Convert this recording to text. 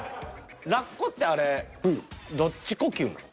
ラッコってあれどっち呼吸なん？